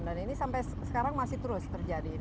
dan ini sampai sekarang masih terus terjadi